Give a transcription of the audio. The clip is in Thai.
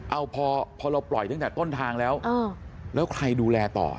เอาพอเราปล่อยตั้งแต่ต้นทางแล้วแล้วใครดูแลต่อ